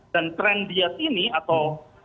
dan tren diat ini atau